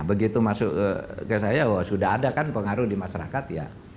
begitu masuk ke saya sudah ada kan pengaruh di masyarakat ya